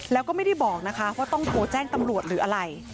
แล้วก็ไม่ได้บอกนะคะว่าต้องโทรแจ้งตำรวจหรืออะไร